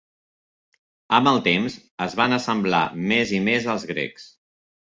Amb el temps, es van assemblar més i més als grecs.